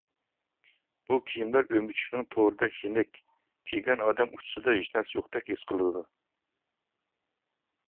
بۇ كىيىملەر ئۆمۈچۈكنىڭ تورىدەك يېنىك، كىيگەن ئادەم ئۇچىسىدا ھېچنەرسە يوقتەك ھېس قىلىدۇ.